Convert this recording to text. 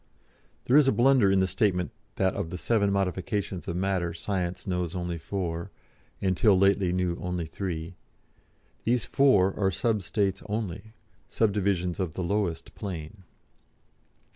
(There is a blunder in the statement that of the seven modifications of Matter Science knows only four, and till lately knew only three; these four are sub states only, sub divisions of the lowest plane.)